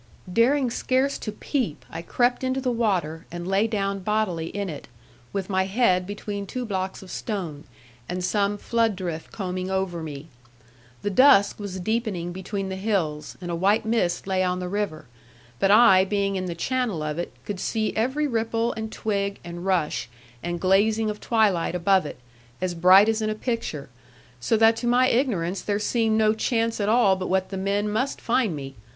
Daring scarce to peep, I crept into the water, and lay down bodily in it, with my head between two blocks of stone, and some flood drift combing over me. The dusk was deepening between the hills, and a white mist lay on the river; but I, being in the channel of it, could see every ripple, and twig, and rush, and glazing of twilight above it, as bright as in a picture; so that to my ignorance there seemed no chance at all but what the men must find me.